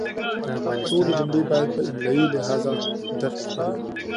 ټولې جملې باید په املایي لحاظ دقیقې وي.